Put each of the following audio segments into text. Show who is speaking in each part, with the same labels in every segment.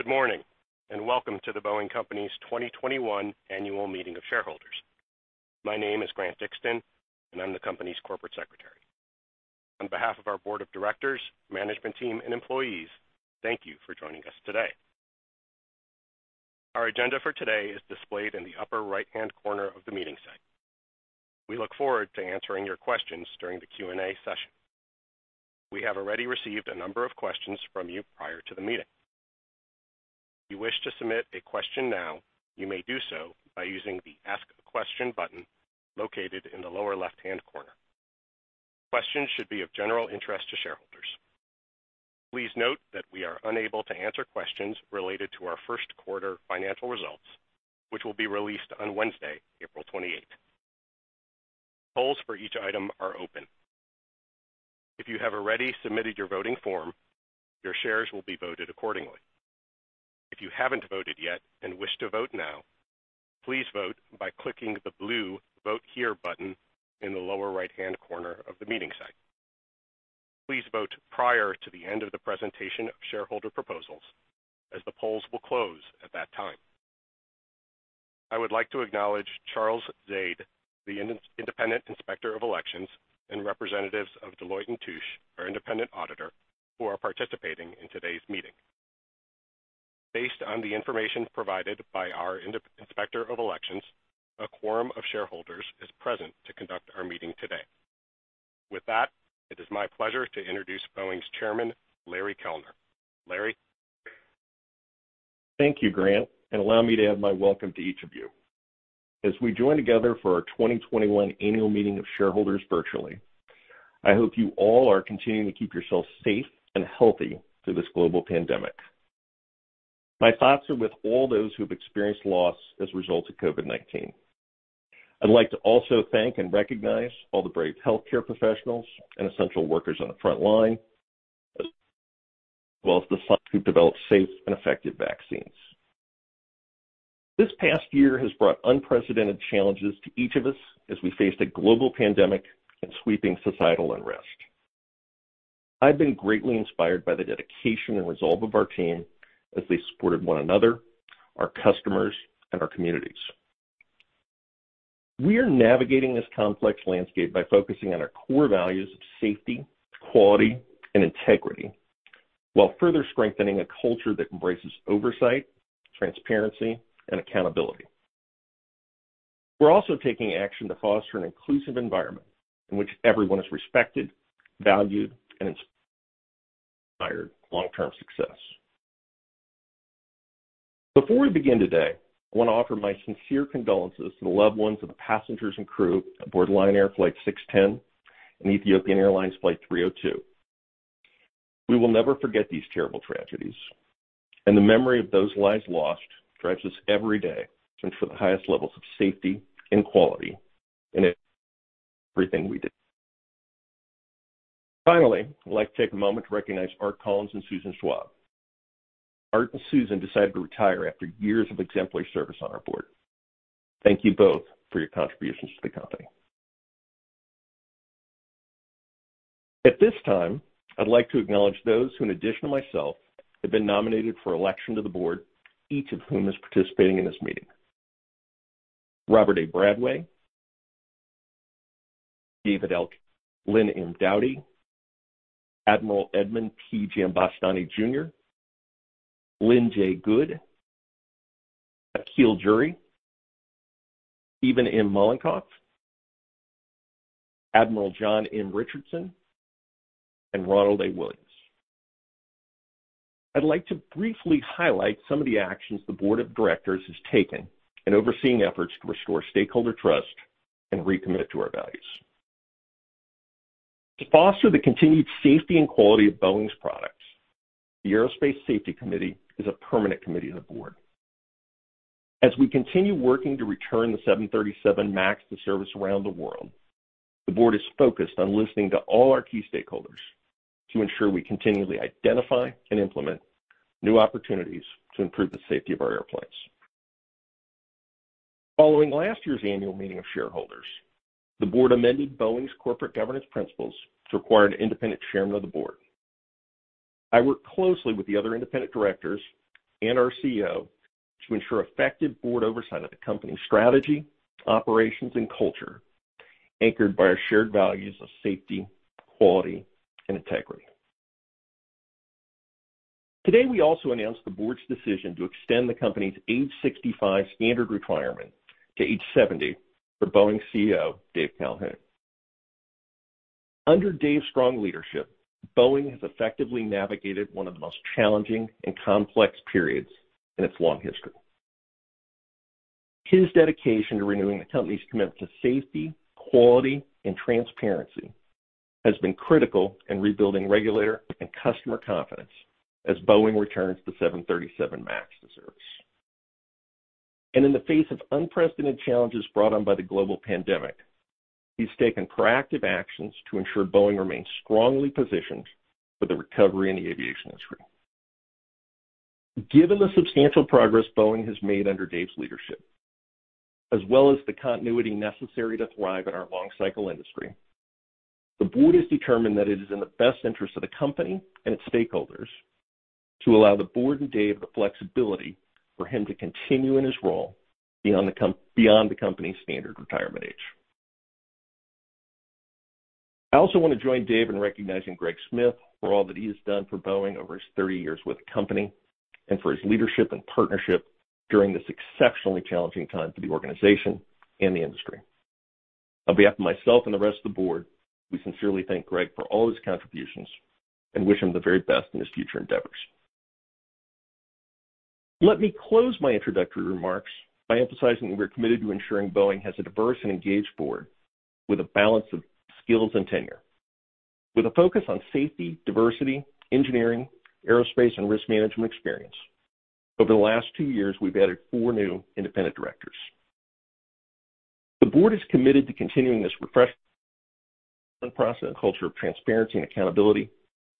Speaker 1: Good morning, and welcome to The Boeing Company's 2021 Annual Meeting of Shareholders. My name is Grant Dixton, and I'm the company's corporate secretary. On behalf of our board of directors, management team, and employees, thank you for joining us today. Our agenda for today is displayed in the upper right-hand corner of the meeting site. We look forward to answering your questions during the Q&A session. We have already received a number of questions from you prior to the meeting. If you wish to submit a question now, you may do so by using the Ask a Question button located in the lower left-hand corner. Questions should be of general interest to shareholders. Please note that we are unable to answer questions related to our first quarter financial results, which will be released on Wednesday, April 28th. Polls for each item are open. If you have already submitted your voting form, your shares will be voted accordingly. If you haven't voted yet and wish to vote now, please vote by clicking the blue Vote Here button in the lower right-hand corner of the meeting site. Please vote prior to the end of the presentation of shareholder proposals, as the polls will close at that time. I would like to acknowledge Charles Zaid, the independent inspector of elections, and representatives of Deloitte & Touche, our independent auditor, who are participating in today's meeting. Based on the information provided by our inspector of elections, a quorum of shareholders is present to conduct our meeting today. With that, it is my pleasure to introduce Boeing's chairman, Larry Kellner. Larry?
Speaker 2: Thank you, Grant, and allow me to add my welcome to each of you. As we join together for our 2021 Annual Meeting of Shareholders virtually, I hope you all are continuing to keep yourselves safe and healthy through this global pandemic. My thoughts are with all those who've experienced loss as a result of COVID-19. I'd like to also thank and recognize all the brave healthcare professionals and essential workers on the front line, as well as the scientists who developed safe and effective vaccines. This past year has brought unprecedented challenges to each of us as we faced a global pandemic and sweeping societal unrest. I've been greatly inspired by the dedication and resolve of our team as they supported one another, our customers, and our communities. We are navigating this complex landscape by focusing on our core values of safety, quality, and integrity while further strengthening a culture that embraces oversight, transparency, and accountability. We're also taking action to foster an inclusive environment in which everyone is respected, valued, and inspired long-term success. Before we begin today, I want to offer my sincere condolences to the loved ones of the passengers and crew aboard Lion Air Flight 610 and Ethiopian Airlines Flight 302. We will never forget these terrible tragedies. The memory of those lives lost drives us every day to ensure the highest levels of safety and quality in everything we do. Finally, I'd like to take a moment to recognize Art Collins and Susan Schwab. Art and Susan decided to retire after years of exemplary service on our Board. Thank you both for your contributions to the company. At this time, I'd like to acknowledge those who, in addition to myself, have been nominated for election to the board, each of whom is participating in this meeting. Robert A. Bradway, David L. Calhoun, Lynne M. Doughtie, Admiral Edmund P. Giambastiani, Jr., Lynn J. Good, Akhil Johri, Steven M. Mollenkopf, Admiral John M. Richardson, and Ronald A. Williams. I'd like to briefly highlight some of the actions the board of directors has taken in overseeing efforts to restore stakeholder trust and recommit to our values. To foster the continued safety and quality of Boeing's products, the Aerospace Safety Committee is a permanent committee of the board. As we continue working to return the 737 MAX to service around the world, the board is focused on listening to all our key stakeholders to ensure we continually identify and implement new opportunities to improve the safety of our airplanes. Following last year's Annual Meeting of Shareholders, the board amended Boeing's corporate governance principles to require an independent chairman of the board. I work closely with the other independent directors and our CEO to ensure effective board oversight of the company's strategy, operations, and culture, anchored by our shared values of safety, quality, and integrity. Today, we also announced the board's decision to extend the company's age 65 standard requirement to age 70 for Boeing's CEO, Dave Calhoun. Under Dave's strong leadership, Boeing has effectively navigated one of the most challenging and complex periods in its long history. His dedication to renewing the company's commitment to safety, quality, and transparency has been critical in rebuilding regulator and customer confidence as Boeing returns the 737 MAX to service. In the face of unprecedented challenges brought on by the global pandemic, he's taken proactive actions to ensure Boeing remains strongly positioned for the recovery in the aviation industry. Given the substantial progress Boeing has made under Dave's leadership. As well as the continuity necessary to thrive in our long cycle industry. The board has determined that it is in the best interest of the company and its stakeholders to allow the board and Dave the flexibility for him to continue in his role beyond the company's standard retirement age. I also want to join Dave in recognizing Greg Smith for all that he has done for Boeing over his 30 years with the company, and for his leadership and partnership during this exceptionally challenging time for the organization and the industry. On behalf of myself and the rest of the board, we sincerely thank Greg for all his contributions and wish him the very best in his future endeavors. Let me close my introductory remarks by emphasizing that we're committed to ensuring Boeing has a diverse and engaged board with a balance of skills and tenure, with a focus on safety, diversity, engineering, aerospace, and risk management experience. Over the last two years, we've added four new independent directors. The board is committed to continuing this refresh process and culture of transparency and accountability,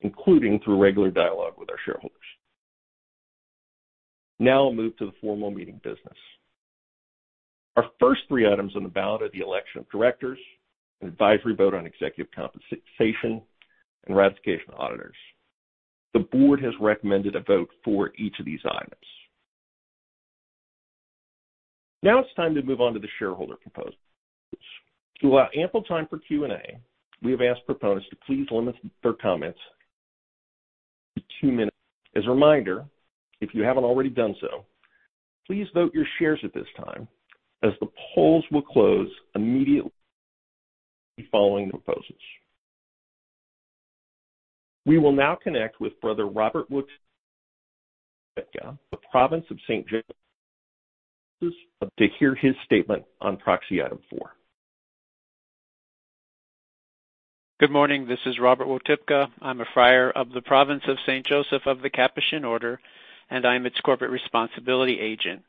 Speaker 2: including through regular dialogue with our shareholders. Now I'll move to the formal meeting business. Our first three items on the ballot are the election of directors, an advisory vote on executive compensation, and ratification of auditors. The board has recommended a vote for each of these items. Now it's time to move on to the shareholder proposals. To allow ample time for Q&A, we have asked proposers to please limit their comments to two minutes. As a reminder, if you haven't already done so, please vote your shares at this time as the polls will close immediately following the proposers. We will now connect with Brother Robert Wotypka of the Province of St. Joseph to hear his statement on proxy item four.
Speaker 3: Good morning. This is Robert Wotypka. I am a friar of the Province of St. Joseph of the Capuchin Order, and I am its corporate responsibility agent.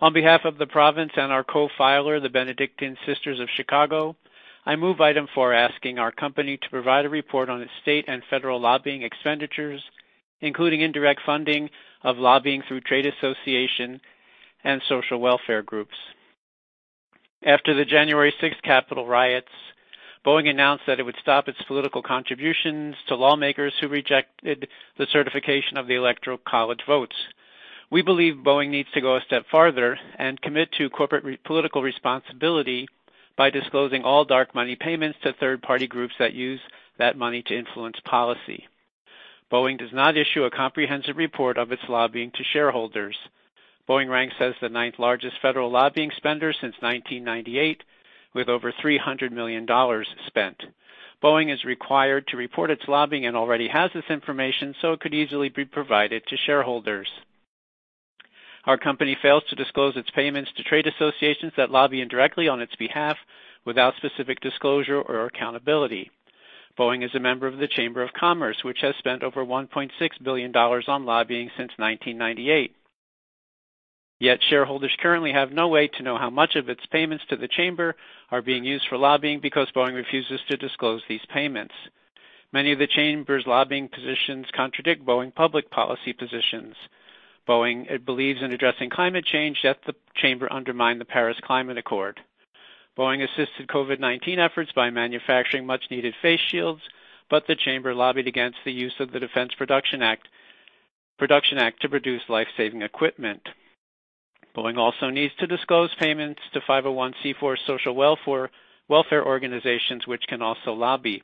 Speaker 3: On behalf of the province and our co-filer, the Benedictine Sisters of Chicago, I move item four, asking our company to provide a report on its state and federal lobbying expenditures, including indirect funding of lobbying through trade association and social welfare groups. After the January sixth Capitol riots, Boeing announced that it would stop its political contributions to lawmakers who rejected the certification of the electoral college votes. We believe Boeing needs to go a step farther and commit to corporate political responsibility by disclosing all dark money payments to third-party groups that use that money to influence policy. Boeing does not issue a comprehensive report of its lobbying to shareholders. Boeing ranks as the ninth-largest federal lobbying spender since 1998, with over $300 million spent. Boeing is required to report its lobbying and already has this information, so it could easily be provided to shareholders. Our company fails to disclose its payments to trade associations that lobby indirectly on its behalf without specific disclosure or accountability. Boeing is a member of the Chamber of Commerce, which has spent over $1.6 billion on lobbying since 1998. Shareholders currently have no way to know how much of its payments to the Chamber are being used for lobbying because Boeing refuses to disclose these payments. Many of the Chamber's lobbying positions contradict Boeing public policy positions. Boeing believes in addressing climate change, the Chamber undermined the Paris Climate Accord. Boeing assisted COVID-19 efforts by manufacturing much-needed face shields, but the Chamber lobbied against the use of the Defense Production Act to produce life-saving equipment. Boeing also needs to disclose payments to 501(c)(4) social welfare organizations, which can also lobby.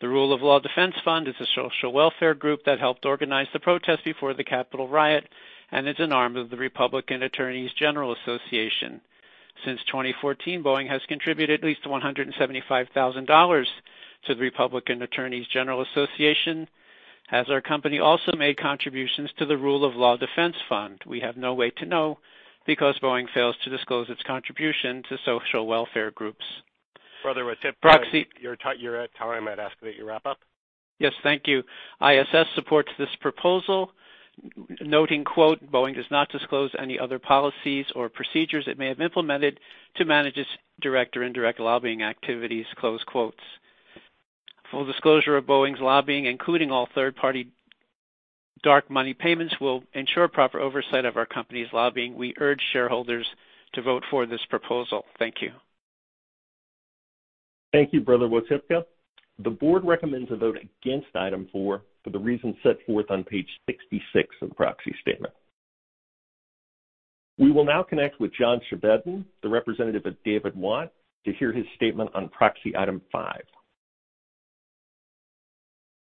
Speaker 3: The Rule of Law Defense Fund is a social welfare group that helped organize the protest before the Capitol riot and is an arm of the Republican Attorneys General Association. Since 2014, Boeing has contributed at least $175,000 to the Republican Attorneys General Association. Has our company also made contributions to the Rule of Law Defense Fund? We have no way to know because Boeing fails to disclose its contribution to social welfare groups.
Speaker 2: Brother Wotypka-
Speaker 3: Proxy-
Speaker 2: You're at time. I'd ask that you wrap up.
Speaker 3: Yes. Thank you. ISS supports this proposal, noting, quote, "Boeing does not disclose any other policies or procedures it may have implemented to manage its direct or indirect lobbying activities," close quotes. Full disclosure of Boeing's lobbying, including all third-party dark money payments, will ensure proper oversight of our company's lobbying. We urge shareholders to vote for this proposal. Thank you.
Speaker 2: Thank you, Brother Wotypka. The Board recommends a vote against item four for the reasons set forth on page 66 of the proxy statement. We will now connect with John Chevedden, the representative of David Watt, to hear his statement on proxy item five.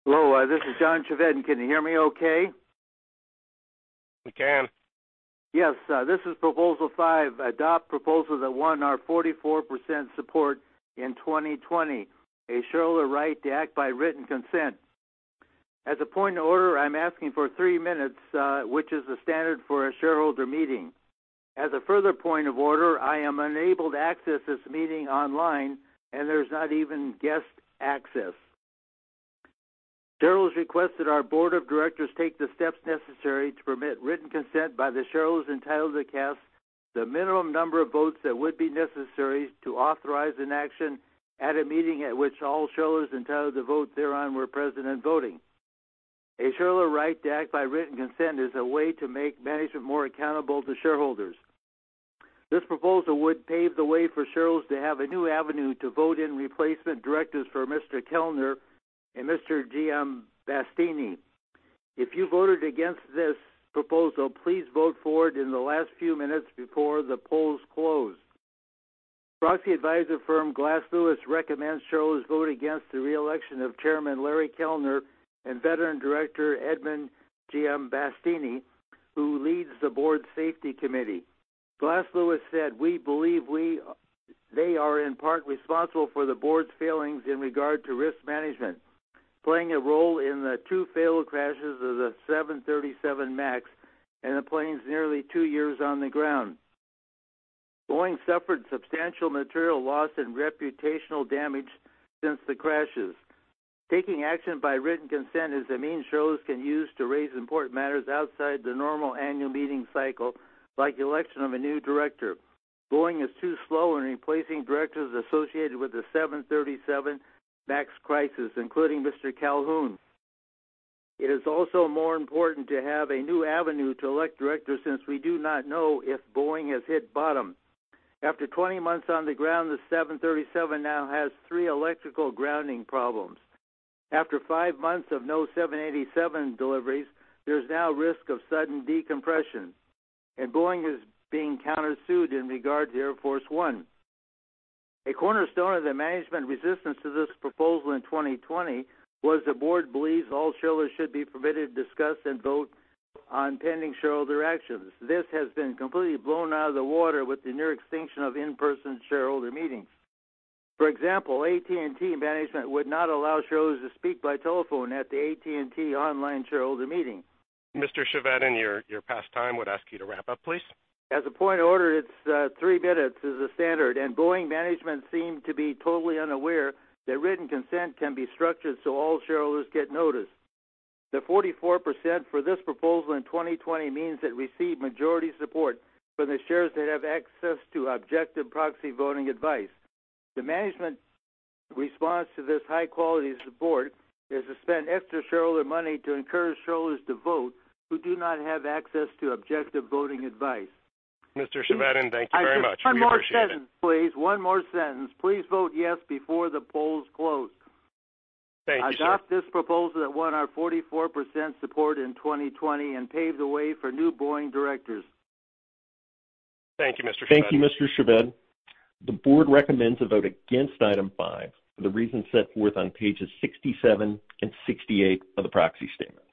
Speaker 4: Hello, this is John Chevedden. Can you hear me okay?
Speaker 2: We can.
Speaker 4: Yes. This is proposal five. Adopt proposals that won our 44% support in 2020, a shareholder right to act by written consent. As a point of order, I'm asking for three minutes, which is the standard for a shareholder meeting. As a further point of order, I am unable to access this meeting online, and there's not even guest access. Shareholders request that our Board of Directors take the steps necessary to permit written consent by the shareholders entitled to cast the minimum number of votes that would be necessary to authorize an action at a meeting at which all shareholders entitled to vote thereon were present and voting. A shareholder right to act by written consent is a way to make management more accountable to shareholders. This proposal would pave the way for shareholders to have a new avenue to vote in replacement directors for Mr. Calhoun and Mr. Giambastiani. If you voted against this proposal, please vote for it in the last few minutes before the polls close. Proxy advisor firm Glass Lewis recommends shareholders vote against the re-election of Chairman Larry Kellner and veteran director Edmund Giambastiani, who leads the Board's Aerospace Safety Committee. Glass Lewis said, "We believe they are in part responsible for the Board's failings in regard to risk management, playing a role in the two fatal crashes of the 737 MAX and the plane's nearly two years on the ground. Boeing suffered substantial material loss and reputational damage since the crashes. Taking action by written consent is a means shareholders can use to raise important matters outside the normal annual meeting cycle, like the election of a new director. Boeing is too slow in replacing directors associated with the 737 MAX crisis, including Mr. Kellner. It is also more important to have a new avenue to elect directors since we do not know if Boeing has hit bottom. After 20 months on the ground, the 737 now has three electrical grounding problems. After five months of no 787 deliveries, there's now risk of sudden decompression, and Boeing is being countersued in regard to Air Force One. A cornerstone of the management resistance to this proposal in 2020 was the board believes all shareholders should be permitted to discuss and vote on pending shareholder actions. This has been completely blown out of the water with the near extinction of in-person shareholder meetings. For example, AT&T management would not allow shareholders to speak by telephone at the AT&T online shareholder meeting.
Speaker 2: Mr. Chevedden, in your past time, I would ask you to wrap up, please.
Speaker 4: As a point of order, three minutes is the standard, and Boeing management seemed to be totally unaware that written consent can be structured so all shareholders get notice. The 44% for this proposal in 2020 means it received majority support from the shareholders that have access to objective proxy voting advice. The management response to this high-quality support is to spend extra shareholder money to encourage shareholders to vote who do not have access to objective voting advice.
Speaker 2: Mr. Chevedden, thank you very much. We appreciate it.
Speaker 4: One more sentence, please. One more sentence. Please vote yes before the polls close.
Speaker 2: Thank you, sir.
Speaker 4: Adopt this proposal that won our 44% support in 2020 and pave the way for new Boeing directors.
Speaker 2: Thank you, Mr. Chevedden. Thank you, Mr. Chevedden. The board recommends a vote against Item five for the reasons set forth on pages 67 and 68 of the proxy statement.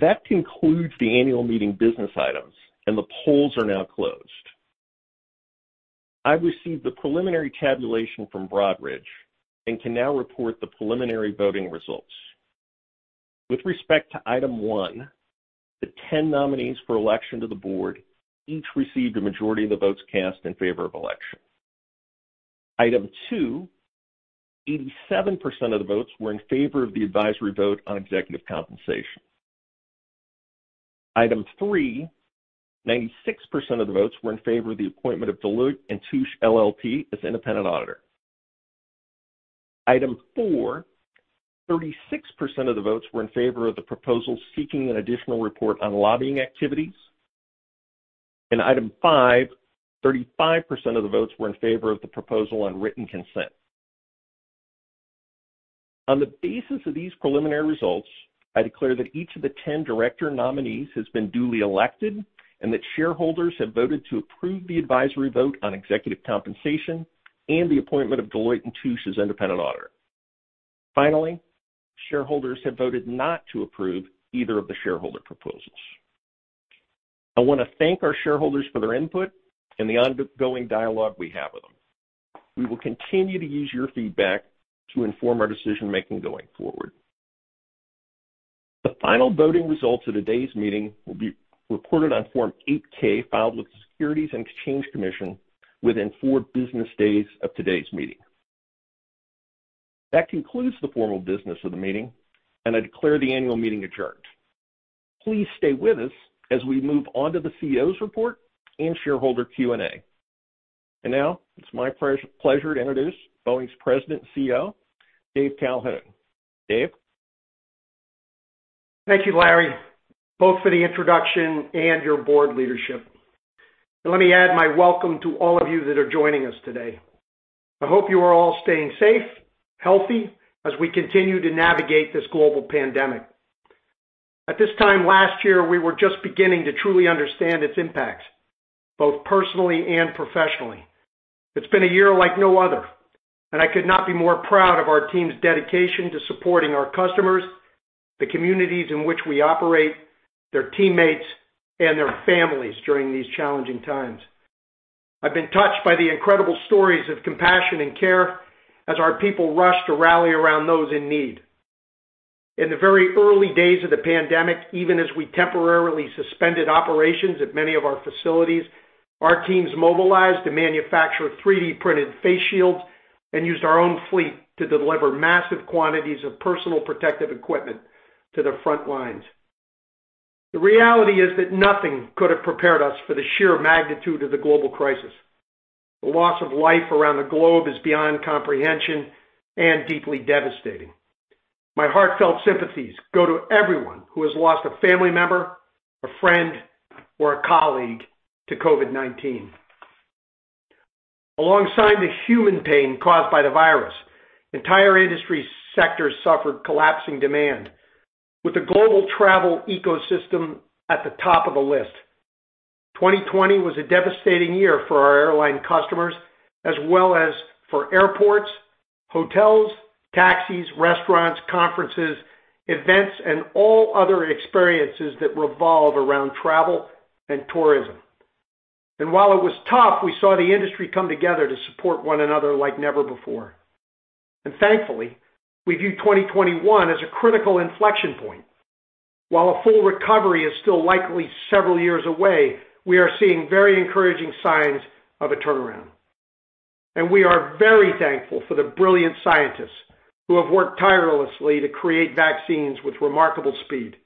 Speaker 2: That concludes the annual meeting business items, and the polls are now closed. I've received the preliminary tabulation from Broadridge and can now report the preliminary voting results. With respect to Item one, the 10 nominees for election to the board each received a majority of the votes cast in favor of election. Item two, 87% of the votes were in favor of the advisory vote on executive compensation. Item three, 96% of the votes were in favor of the appointment of Deloitte & Touche LLP as independent auditor. Item four, 36% of the votes were in favor of the proposal seeking an additional report on lobbying activities. In Item five, 35% of the votes were in favor of the proposal on written consent. On the basis of these preliminary results, I declare that each of the 10 director nominees has been duly elected and that shareholders have voted to approve the advisory vote on executive compensation and the appointment of Deloitte & Touche as independent auditor. Finally, shareholders have voted not to approve either of the shareholder proposals. I want to thank our shareholders for their input and the ongoing dialogue we have with them. We will continue to use your feedback to inform our decision-making going forward. The final voting results of today's meeting will be reported on Form 8-K filed with the Securities and Exchange Commission within four business days of today's meeting. That concludes the formal business of the meeting, and I declare the annual meeting adjourned. Please stay with us as we move on to the CEO's report and shareholder Q&A. Now, it's my pleasure to introduce Boeing's President and CEO, Dave Calhoun. Dave?
Speaker 5: Thank you, Larry, both for the introduction and your board leadership. Let me add my welcome to all of you that are joining us today. I hope you are all staying safe, healthy as we continue to navigate this global pandemic. At this time last year, we were just beginning to truly understand its impact, both personally and professionally. It's been a year like no other, and I could not be more proud of our team's dedication to supporting our customers, the communities in which we operate, their teammates, and their families during these challenging times. I've been touched by the incredible stories of compassion and care as our people rushed to rally around those in need. In the very early days of the pandemic, even as we temporarily suspended operations at many of our facilities, our teams mobilized to manufacture 3D-printed face shields and used our own fleet to deliver massive quantities of personal protective equipment to the front lines. The reality is that nothing could have prepared us for the sheer magnitude of the global crisis. The loss of life around the globe is beyond comprehension and deeply devastating. My heartfelt sympathies go to everyone who has lost a family member, a friend, or a colleague to COVID-19. Alongside the human pain caused by the virus, entire industry sectors suffered collapsing demand, with the global travel ecosystem at the top of the list. 2020 was a devastating year for our airline customers as well as for airports, hotels, taxis, restaurants, conferences, events, and all other experiences that revolve around travel and tourism. While it was tough, we saw the industry come together to support one another like never before. Thankfully, we view 2021 as a critical inflection point. While a full recovery is still likely several years away, we are seeing very encouraging signs of a turnaround. We are very thankful for the brilliant scientists who have worked tirelessly to create vaccines with remarkable speed.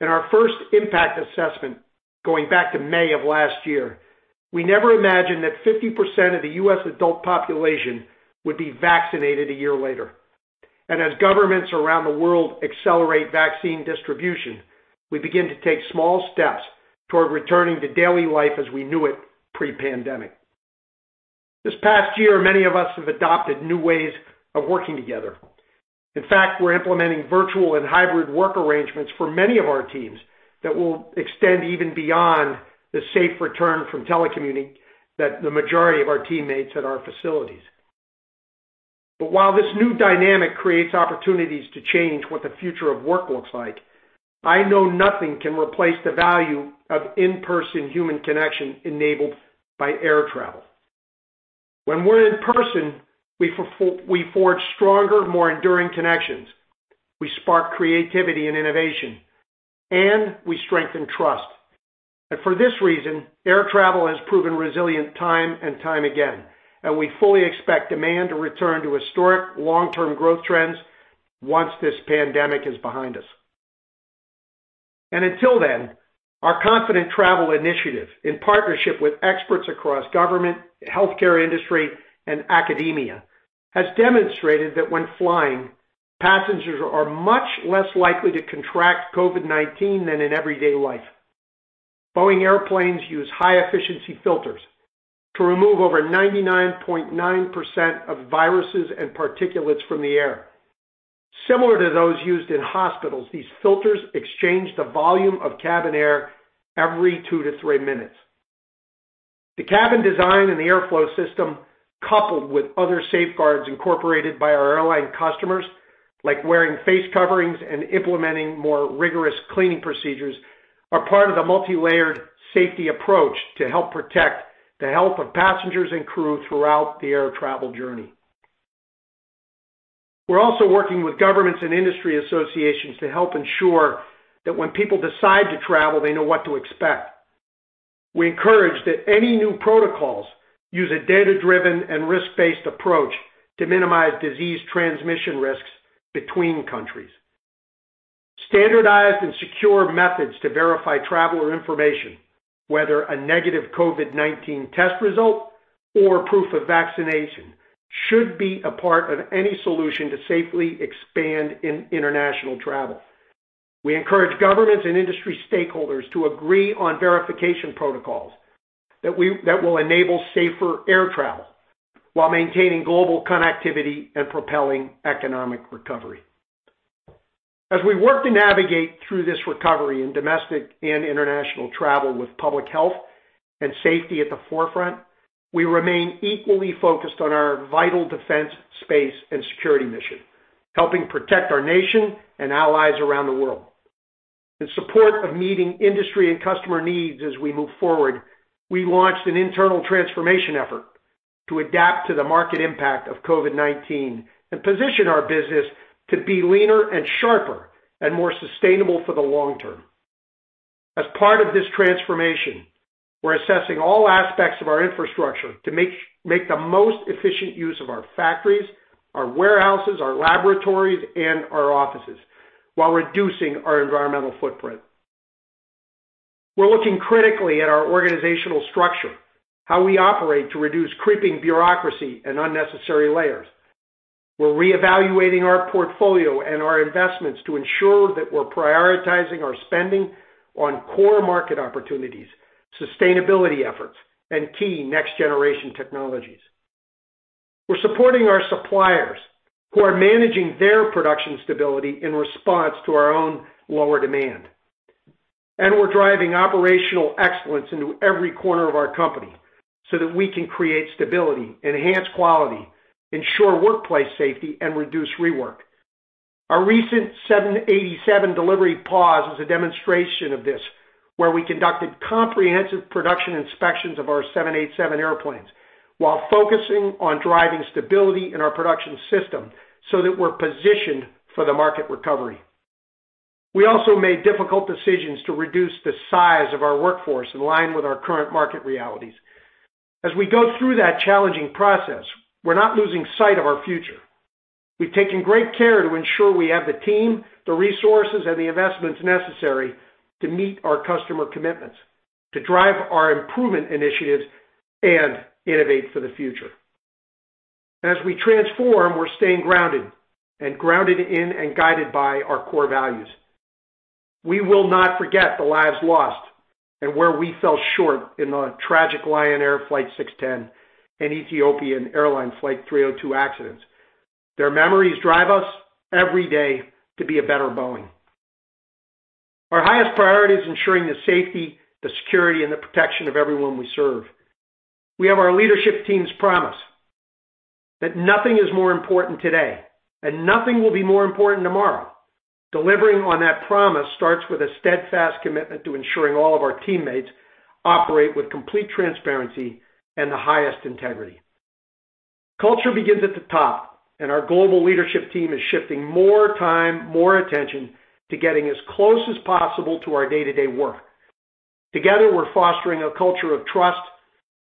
Speaker 5: In our first impact assessment, going back to May of last year, we never imagined that 50% of the U.S. adult population would be vaccinated a year later. As governments around the world accelerate vaccine distribution, we begin to take small steps toward returning to daily life as we knew it pre-pandemic. This past year, many of us have adopted new ways of working together. In fact, we're implementing virtual and hybrid work arrangements for many of our teams that will extend even beyond the safe return from telecommuting that the majority of our teammates at our facilities. While this new dynamic creates opportunities to change what the future of work looks like, I know nothing can replace the value of in-person human connection enabled by air travel. When we're in person, we forge stronger, more enduring connections. We spark creativity and innovation, we strengthen trust. For this reason, air travel has proven resilient time and time again, and we fully expect demand to return to historic long-term growth trends once this pandemic is behind us. Until then, our Confident Travel Initiative, in partnership with experts across government, the healthcare industry, and academia, has demonstrated that when flying, passengers are much less likely to contract COVID-19 than in everyday life. Boeing airplanes use high-efficiency filters to remove over 99.9% of viruses and particulates from the air. Similar to those used in hospitals, these filters exchange the volume of cabin air every two to three minutes. The cabin design and the airflow system, coupled with other safeguards incorporated by our airline customers, like wearing face coverings and implementing more rigorous cleaning procedures, are part of the multilayered safety approach to help protect the health of passengers and crew throughout the air travel journey. We're also working with governments and industry associations to help ensure that when people decide to travel, they know what to expect. We encourage that any new protocols use a data-driven and risk-based approach to minimize disease transmission risks between countries. Standardized and secure methods to verify traveler information, whether a negative COVID-19 test result or proof of vaccination, should be a part of any solution to safely expand international travel. We encourage governments and industry stakeholders to agree on verification protocols that will enable safer air travel while maintaining global connectivity and propelling economic recovery. As we work to navigate through this recovery in domestic and international travel with public health and safety at the forefront, we remain equally focused on our vital defense, space, and security mission, helping protect our nation and allies around the world. In support of meeting industry and customer needs as we move forward, we launched an internal transformation effort to adapt to the market impact of COVID-19 and position our business to be leaner and sharper and more sustainable for the long term. As part of this transformation, we're assessing all aspects of our infrastructure to make the most efficient use of our factories, our warehouses, our laboratories, and our offices while reducing our environmental footprint. We're looking critically at our organizational structure, how we operate to reduce creeping bureaucracy and unnecessary layers. We're reevaluating our portfolio and our investments to ensure that we're prioritizing our spending on core market opportunities, sustainability efforts, and key next-generation technologies. We're supporting our suppliers who are managing their production stability in response to our own lower demand. We're driving operational excellence into every corner of our company so that we can create stability, enhance quality, ensure workplace safety, and reduce rework. Our recent 787 delivery pause is a demonstration of this, where we conducted comprehensive production inspections of our 787 airplanes while focusing on driving stability in our production system so that we're positioned for the market recovery. We also made difficult decisions to reduce the size of our workforce in line with our current market realities. As we go through that challenging process, we're not losing sight of our future. We've taken great care to ensure we have the team, the resources, and the investments necessary to meet our customer commitments, to drive our improvement initiatives and innovate for the future. As we transform, we're staying grounded, and grounded in and guided by our core values. We will not forget the lives lost and where we fell short in the tragic Lion Air Flight 610 and Ethiopian Airlines Flight 302 accidents. Their memories drive us every day to be a better Boeing. Our highest priority is ensuring the safety, the security and the protection of everyone we serve. We have our leadership team's promise that nothing is more important today, and nothing will be more important tomorrow. Delivering on that promise starts with a steadfast commitment to ensuring all of our teammates operate with complete transparency and the highest integrity. Culture begins at the top, and our global leadership team is shifting more time, more attention to getting as close as possible to our day-to-day work. Together, we're fostering a culture of trust,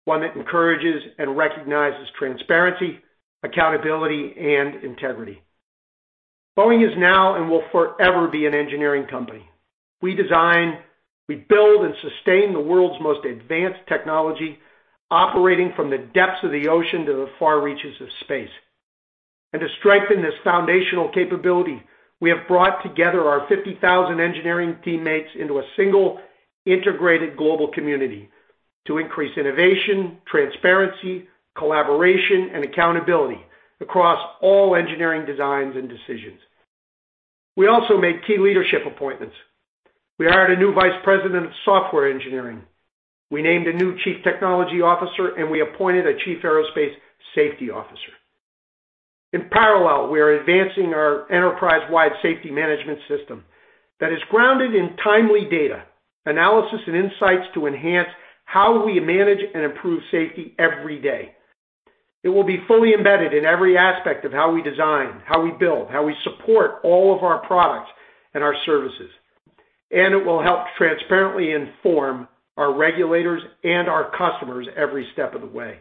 Speaker 5: one that encourages and recognizes transparency, accountability, and integrity. Boeing is now and will forever be an engineering company. We design, we build, and sustain the world's most advanced technology, operating from the depths of the ocean to the far reaches of space. To strengthen this foundational capability, we have brought together our 50,000 engineering teammates into a single integrated global community to increase innovation, transparency, collaboration, and accountability across all engineering designs and decisions. We also made key leadership appointments. We hired a new Vice President of Software Engineering. We named a new Chief Technology Officer, and we appointed a Chief Aerospace Safety Officer. In parallel, we are advancing our enterprise-wide safety management system that is grounded in timely data, analysis, and insights to enhance how we manage and improve safety every day. It will be fully embedded in every aspect of how we design, how we build, how we support all of our products and our services. It will help transparently inform our regulators and our customers every step of the way.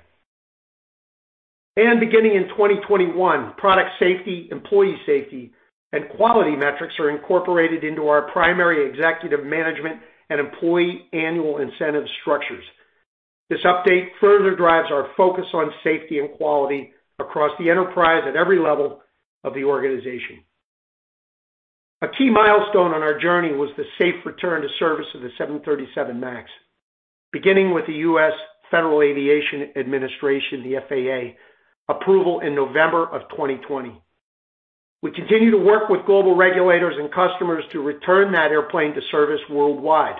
Speaker 5: Beginning in 2021, product safety, employee safety, and quality metrics are incorporated into our primary executive management and employee annual incentive structures. This update further drives our focus on safety and quality across the enterprise at every level of the organization. A key milestone on our journey was the safe return to service of the 737 MAX, beginning with the U.S. Federal Aviation Administration, the FAA, approval in November of 2020. We continue to work with global regulators and customers to return that airplane to service worldwide.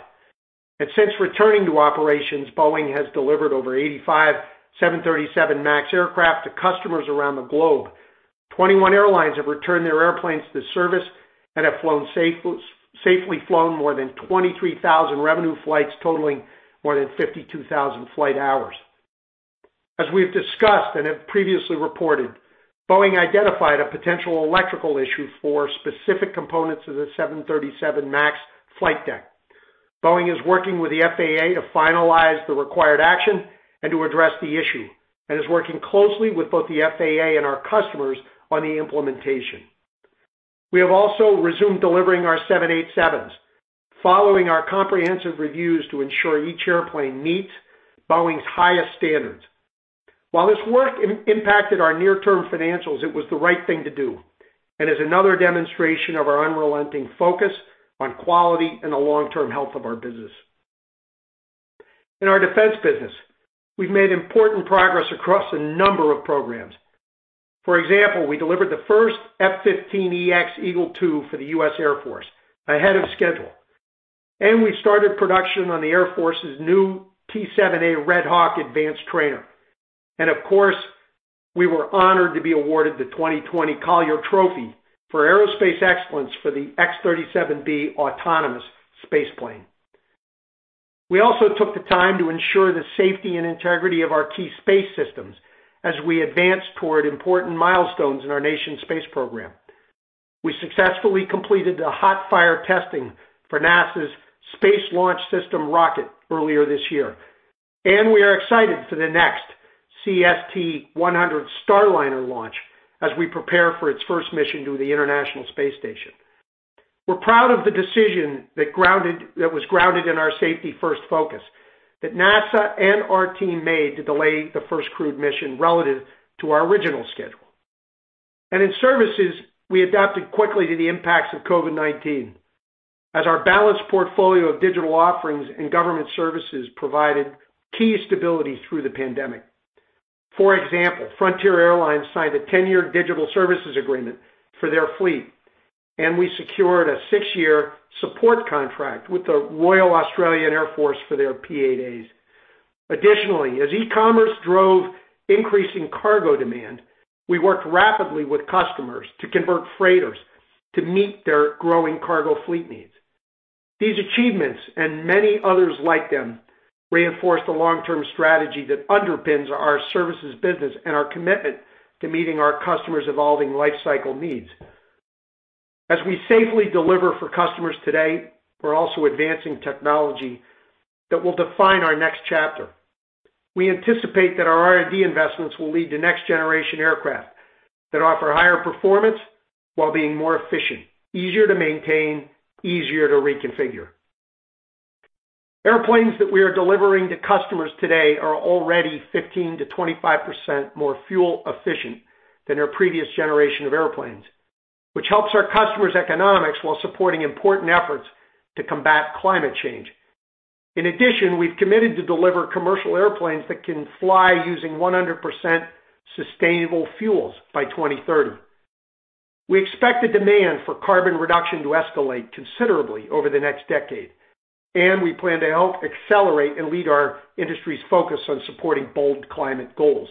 Speaker 5: Since returning to operations, Boeing has delivered over 85 737 MAX aircraft to customers around the globe. 21 airlines have returned their airplanes to service and have safely flown more than 23,000 revenue flights totaling more than 52,000 flight hours. As we've discussed and have previously reported, Boeing identified a potential electrical issue for specific components of the 737 MAX flight deck. Boeing is working with the FAA to finalize the required action and to address the issue, and is working closely with both the FAA and our customers on the implementation. We have also resumed delivering our 787s following our comprehensive reviews to ensure each airplane meets Boeing's highest standards. While this work impacted our near-term financials, it was the right thing to do and is another demonstration of our unrelenting focus on quality and the long-term health of our business. In our defense business, we've made important progress across a number of programs. For example, we delivered the first F-15EX Eagle II for the US Air Force ahead of schedule. We started production on the Air Force's new T-7A Red Hawk advanced trainer. Of course, we were honored to be awarded the 2020 Collier Trophy for aerospace excellence for the X-37B autonomous space plane. We also took the time to ensure the safety and integrity of our key space systems as we advance toward important milestones in our nation's space program. We successfully completed the hot fire testing for NASA's Space Launch System rocket earlier this year, and we are excited for the next CST-100 Starliner launch as we prepare for its first mission to the International Space Station. We're proud of the decision that was grounded in our safety-first focus that NASA and our team made to delay the first crewed mission relative to our original schedule. In services, we adapted quickly to the impacts of COVID-19 as our balanced portfolio of digital offerings and government services provided key stability through the pandemic. For example, Frontier Airlines signed a 10-year digital services agreement for their fleet, and we secured a six-year support contract with the Royal Australian Air Force for their P-8As. Additionally, as e-commerce drove increasing cargo demand, we worked rapidly with customers to convert freighters to meet their growing cargo fleet needs. These achievements, and many others like them, reinforce the long-term strategy that underpins our services business and our commitment to meeting our customers' evolving life cycle needs. As we safely deliver for customers today, we're also advancing technology that will define our next chapter. We anticipate that our R&D investments will lead to next-generation aircraft that offer higher performance while being more efficient, easier to maintain, easier to reconfigure. Airplanes that we are delivering to customers today are already 15%-25% more fuel efficient than our previous generation of airplanes, which helps our customers' economics while supporting important efforts to combat climate change. In addition, we've committed to deliver commercial airplanes that can fly using 100% sustainable fuels by 2030. We expect the demand for carbon reduction to escalate considerably over the next decade, and we plan to help accelerate and lead our industry's focus on supporting bold climate goals.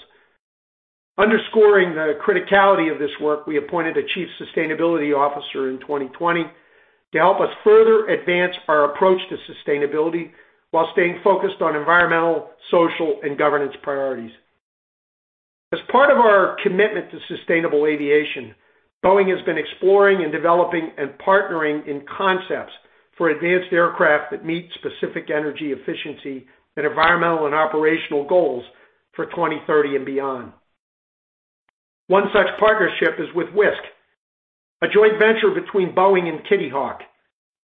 Speaker 5: Underscoring the criticality of this work, we appointed a Chief Sustainability Officer in 2020 to help us further advance our approach to sustainability while staying focused on environmental, social, and governance priorities. As part of our commitment to sustainable aviation, Boeing has been exploring and developing and partnering in concepts for advanced aircraft that meet specific energy efficiency and environmental and operational goals for 2030 and beyond. One such partnership is with Wisk, a joint venture between Boeing and Kitty Hawk.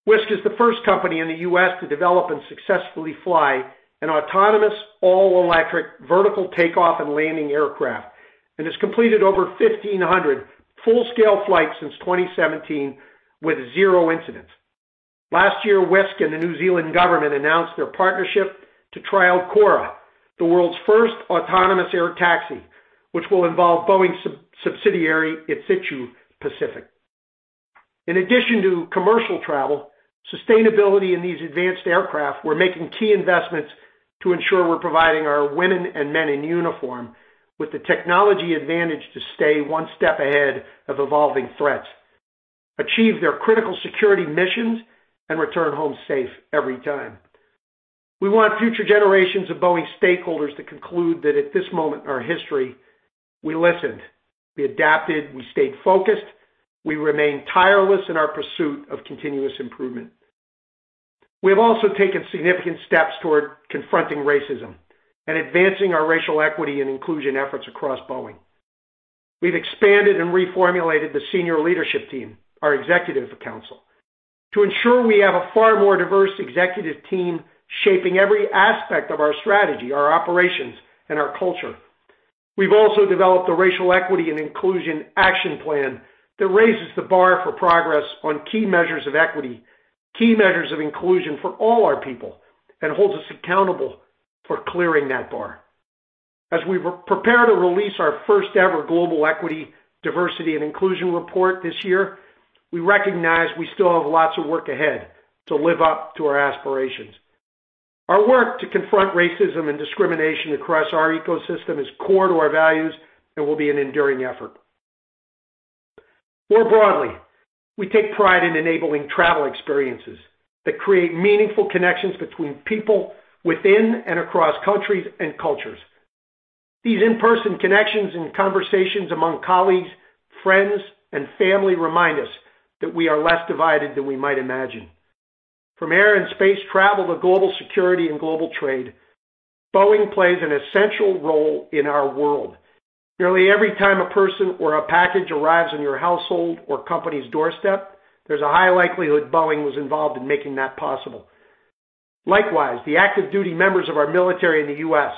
Speaker 5: Wisk is the first company in the U.S. to develop and successfully fly an autonomous all-electric vertical takeoff and landing aircraft, and has completed over 1,500 full-scale flights since 2017 with zero incidents. Last year, Wisk and the New Zealand government announced their partnership to trial Cora, the world's first autonomous air taxi, which will involve Boeing's subsidiary, Insitu Pacific. In addition to commercial travel, sustainability in these advanced aircraft, we're making key investments to ensure we're providing our women and men in uniform with the technology advantage to stay one step ahead of evolving threats, achieve their critical security missions, and return home safe every time. We want future generations of Boeing stakeholders to conclude that at this moment in our history, we listened, we adapted, we stayed focused, we remained tireless in our pursuit of continuous improvement. We have also taken significant steps toward confronting racism and advancing our racial equity and inclusion efforts across Boeing. We've expanded and reformulated the senior leadership team, our Executive Council, to ensure we have a far more diverse executive team shaping every aspect of our strategy, our operations, and our culture. We've also developed a Racial Equity and Inclusion Action Plan that raises the bar for progress on key measures of equity, key measures of inclusion for all our people, and holds us accountable for clearing that bar. As we prepare to release our first-ever Global Equity, Diversity, and Inclusion Report this year, we recognize we still have lots of work ahead to live up to our aspirations. Our work to confront racism and discrimination across our ecosystem is core to our values and will be an enduring effort. More broadly, we take pride in enabling travel experiences that create meaningful connections between people within and across countries and cultures. These in-person connections and conversations among colleagues, friends, and family remind us that we are less divided than we might imagine. From air and space travel to global security and global trade, Boeing plays an essential role in our world. Nearly every time a person or a package arrives on your household or company's doorstep, there's a high likelihood Boeing was involved in making that possible. Likewise, the active duty members of our military in the U.S.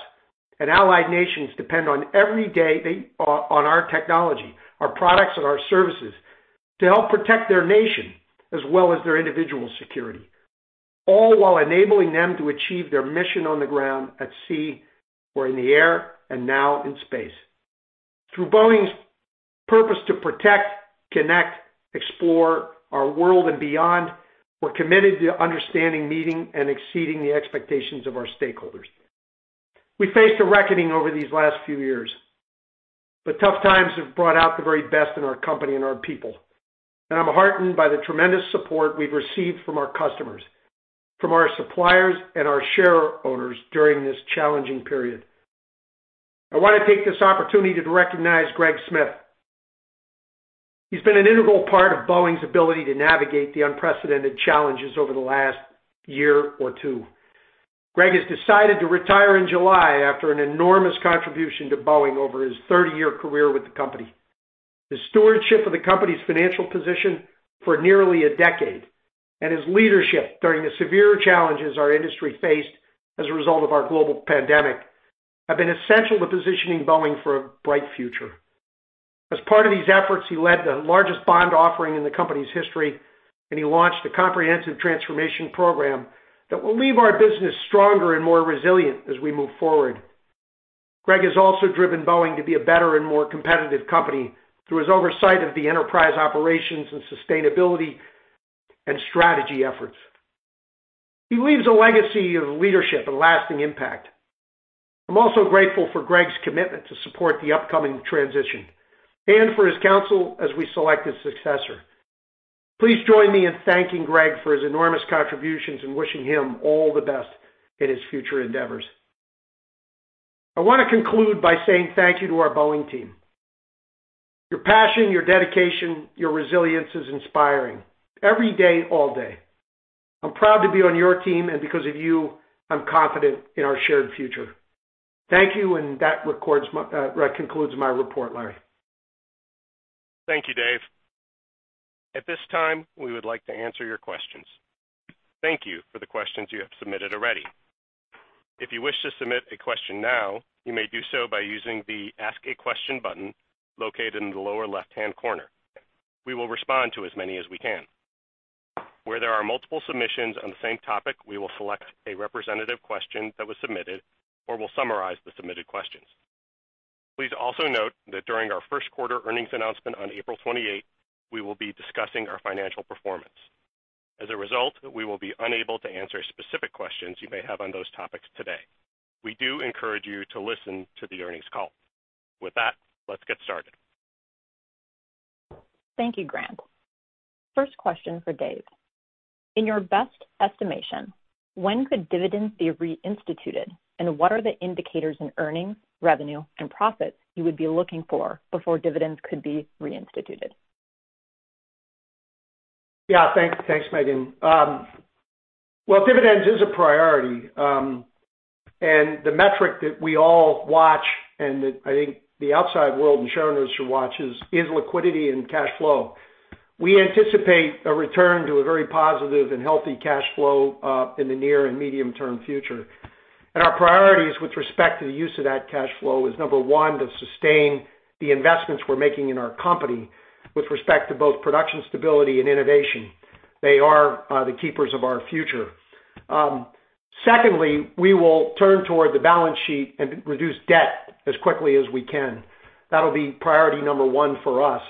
Speaker 5: and allied nations depend on our technology, our products, and our services to help protect their nation as well as their individual security, all while enabling them to achieve their mission on the ground, at sea, or in the air, and now in space. Through Boeing's purpose to protect, connect, explore our world and beyond, we're committed to understanding, meeting, and exceeding the expectations of our stakeholders. We faced a reckoning over these last few years, but tough times have brought out the very best in our company and our people, and I'm heartened by the tremendous support we've received from our customers, from our suppliers, and our share owners during this challenging period. I want to take this opportunity to recognize Greg Smith. He's been an integral part of Boeing's ability to navigate the unprecedented challenges over the last year or two. Greg has decided to retire in July after an enormous contribution to Boeing over his 30-year career with the company. His stewardship of the company's financial position for nearly a decade, and his leadership during the severe challenges our industry faced as a result of our global pandemic, have been essential to positioning Boeing for a bright future. As part of these efforts, he led the largest bond offering in the company's history, and he launched a comprehensive transformation program that will leave our business stronger and more resilient as we move forward. Greg has also driven Boeing to be a better and more competitive company through his oversight of the enterprise operations and sustainability and strategy efforts. He leaves a legacy of leadership and lasting impact. I'm also grateful for Greg's commitment to support the upcoming transition and for his counsel as we select his successor. Please join me in thanking Greg for his enormous contributions and wishing him all the best in his future endeavors. I want to conclude by saying thank you to our Boeing team. Your passion, your dedication, your resilience is inspiring every day, all day. I'm proud to be on your team, and because of you, I'm confident in our shared future. Thank you, and that concludes my report, Larry.
Speaker 1: Thank you, Dave. At this time, we would like to answer your questions. Thank you for the questions you have submitted already. If you wish to submit a question now, you may do so by using the Ask a Question button located in the lower left-hand corner. We will respond to as many as we can. Where there are multiple submissions on the same topic, we will select a representative question that was submitted or will summarize the submitted questions. Please also note that during our first quarter earnings announcement on April 28, we will be discussing our financial performance. As a result, we will be unable to answer specific questions you may have on those topics today. We do encourage you to listen to the earnings call. With that, let's get started.
Speaker 6: Thank you, Grant. First question for Dave. In your best estimation, when could dividends be reinstituted, and what are the indicators in earnings, revenue, and profits you would be looking for before dividends could be reinstituted?
Speaker 5: Yeah, thanks, Meghan. Well, dividends is a priority, and the metric that we all watch, and that I think the outside world and shareholders should watch, is liquidity and cash flow. We anticipate a return to a very positive and healthy cash flow, in the near and medium-term future. Our priorities with respect to the use of that cash flow is, number one, to sustain the investments we're making in our company with respect to both production stability and innovation. They are the keepers of our future. Secondly, we will turn toward the balance sheet and reduce debt as quickly as we can. That'll be priority number one for us,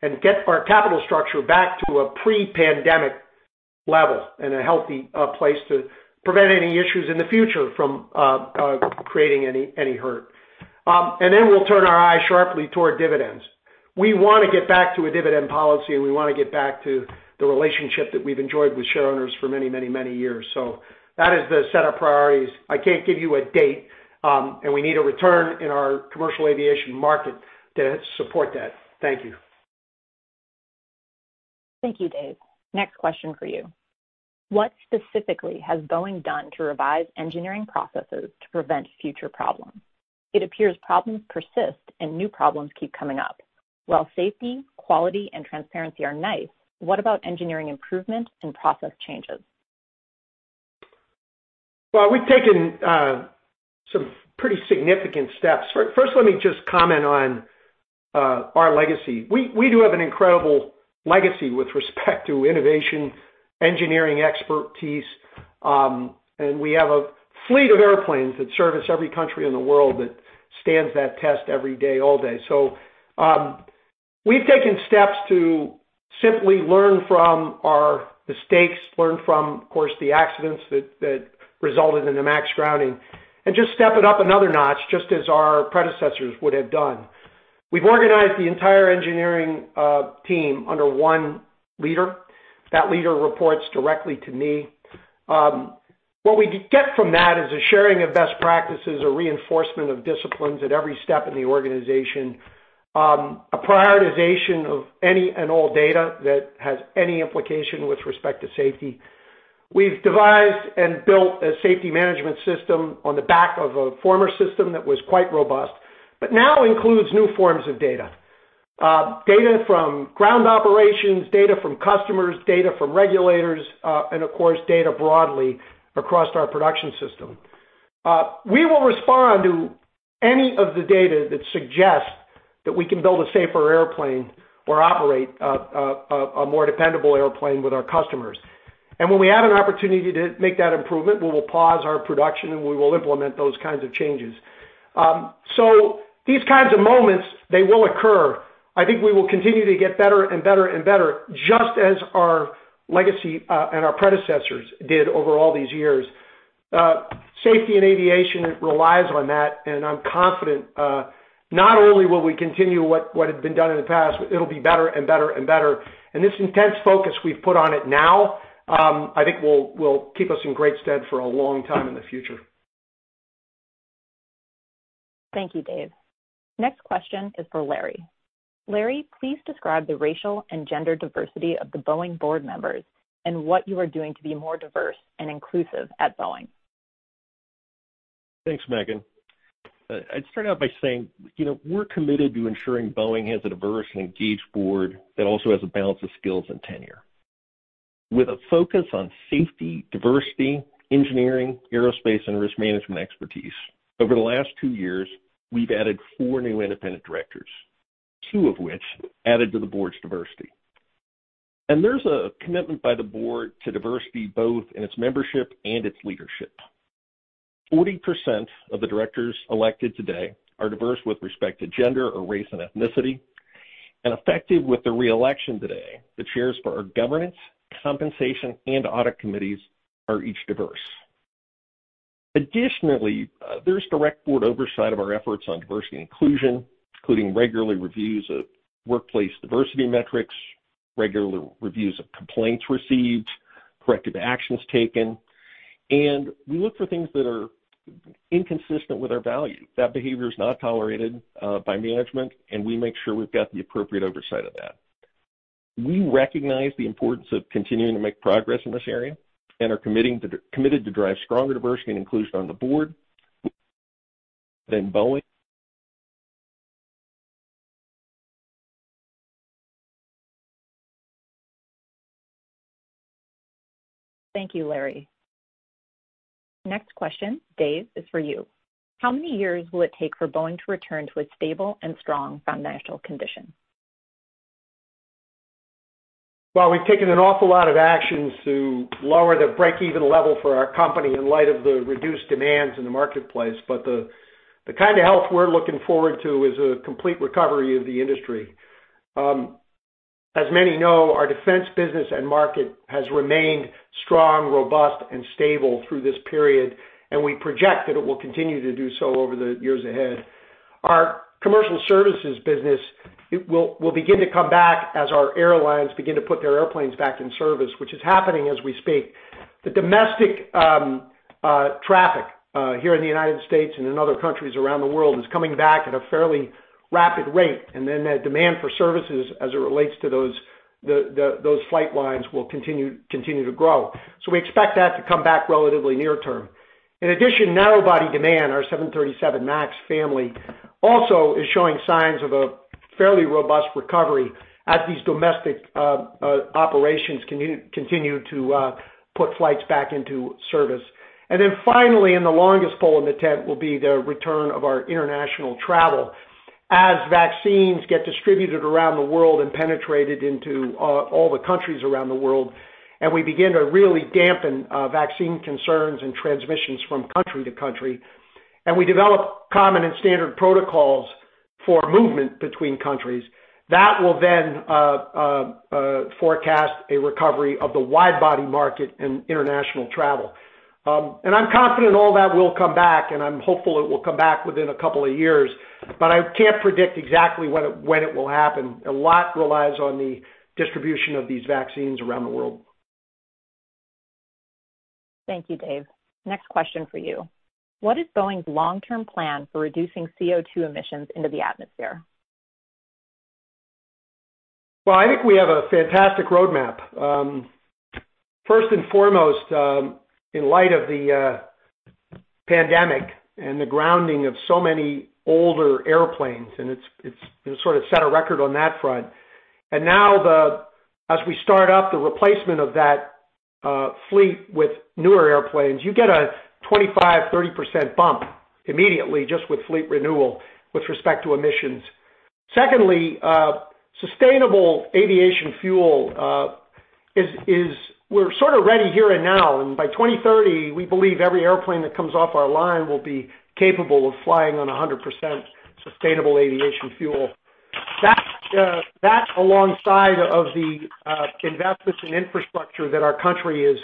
Speaker 5: and get our capital structure back to a pre-pandemic level and a healthy place to prevent any issues in the future from creating any hurt. Then we'll turn our eyes sharply toward dividends. We want to get back to a dividend policy, and we want to get back to the relationship that we've enjoyed with shareowners for many years. That is the set of priorities. I can't give you a date. We need a return in our commercial aviation market to support that. Thank you.
Speaker 6: Thank you, Dave. Next question for you. What specifically has Boeing done to revise engineering processes to prevent future problems? It appears problems persist and new problems keep coming up. While safety, quality, and transparency are nice, what about engineering improvement and process changes?
Speaker 5: Well, we've taken some pretty significant steps. First, let me just comment on our legacy. We do have an incredible legacy with respect to innovation, engineering expertise, and we have a fleet of airplanes that service every country in the world that stands that test every day, all day. We've taken steps to simply learn from our mistakes, learn from, of course, the accidents that resulted in the MAX grounding, and just step it up another notch, just as our predecessors would have done. We've organized the entire engineering team under one leader. That leader reports directly to me. What we get from that is a sharing of best practices, a reinforcement of disciplines at every step in the organization, a prioritization of any and all data that has any implication with respect to safety. We've devised and built a safety management system on the back of a former system that was quite robust, but now includes new forms of data. Data from ground operations, data from customers, data from regulators, and of course, data broadly across our production system. We will respond to any of the data that suggests that we can build a safer airplane or operate a more dependable airplane with our customers. When we have an opportunity to make that improvement, we will pause our production, and we will implement those kinds of changes. These kinds of moments, they will occur. I think we will continue to get better and better and better, just as our legacy, and our predecessors did over all these years. Safety and aviation relies on that, I'm confident, not only will we continue what had been done in the past, it'll be better and better and better. This intense focus we've put on it now, I think will keep us in great stead for a long time in the future.
Speaker 6: Thank you, Dave. Next question is for Larry. Larry, please describe the racial and gender diversity of the Boeing board members and what you are doing to be more diverse and inclusive at Boeing.
Speaker 2: Thanks, Meghan. I'd start out by saying we're committed to ensuring Boeing has a diverse and engaged board that also has a balance of skills and tenure. With a focus on safety, diversity, engineering, aerospace, and risk management expertise, over the last two years, we've added four new independent directors, two of which added to the board's diversity. There's a commitment by the board to diversity both in its membership and its leadership. 40% of the directors elected today are diverse with respect to gender or race and ethnicity. Effective with the re-election today, the chairs for our governance, compensation, and audit committees are each diverse. Additionally, there's direct board oversight of our efforts on diversity and inclusion, including regular reviews of workplace diversity metrics Regular reviews of complaints received, corrective actions taken, and we look for things that are inconsistent with our values. That behavior is not tolerated by management, and we make sure we've got the appropriate oversight of that. We recognize the importance of continuing to make progress in this area and are committed to drive stronger diversity and inclusion on the board than Boeing.
Speaker 6: Thank you, Larry. Next question, Dave, is for you. How many years will it take for Boeing to return to a stable and strong foundational condition?
Speaker 5: We've taken an awful lot of actions to lower the breakeven level for our company in light of the reduced demands in the marketplace. The kind of health we're looking forward to is a complete recovery of the industry. As many know, our defense business and market has remained strong, robust, and stable through this period, and we project that it will continue to do so over the years ahead. Our commercial services business will begin to come back as our airlines begin to put their airplanes back in service, which is happening as we speak. The domestic traffic here in the U.S. and in other countries around the world is coming back at a fairly rapid rate. That demand for services as it relates to those flight lines will continue to grow. We expect that to come back relatively near-term. In addition, narrow body demand, our 737 MAX family, also is showing signs of a fairly robust recovery as these domestic operations continue to put flights back into service. Finally, in the longest pole in the tent, will be the return of our international travel. As vaccines get distributed around the world and penetrated into all the countries around the world, and we begin to really dampen vaccine concerns and transmissions from country to country, and we develop common and standard protocols for movement between countries, that will then forecast a recovery of the wide body market and international travel. I'm confident all that will come back, and I'm hopeful it will come back within a couple of years, but I can't predict exactly when it will happen. A lot relies on the distribution of these vaccines around the world.
Speaker 6: Thank you, Dave. Next question for you. What is Boeing's long-term plan for reducing CO2 emissions into the atmosphere?
Speaker 5: Well, I think we have a fantastic roadmap. First and foremost, in light of the pandemic and the grounding of so many older airplanes, and it sort of set a record on that front. Now, as we start up the replacement of that fleet with newer airplanes, you get a 25%-30% bump immediately just with fleet renewal with respect to emissions. Secondly, sustainable aviation fuel is we're sort of ready here and now. By 2030, we believe every airplane that comes off our line will be capable of flying on 100% sustainable aviation fuel. That, alongside of the investments in infrastructure that our country is